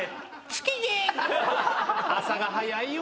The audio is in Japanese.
朝が早いよ。